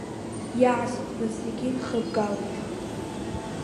Иаасыӡбаз зегьы нхыбгалеит.